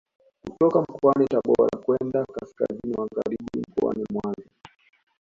Kutoka mkoani Tabora kwenda kaskazini magharibi mkoani Mwanza